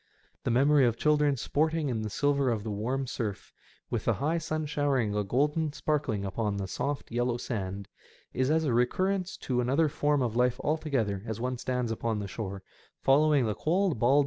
The memory of children sporting in the silver of the warm surf, with the high sun showering a golden sparkling upon the soft, yellow sand, is as a recurrence to another form of life altogether as one stands upon the shore, following the cold, bald SEASIDE EFFECTS.